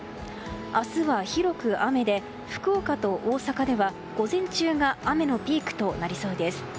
明日は広く雨で、福岡と大阪では午前中が雨のピークとなりそうです。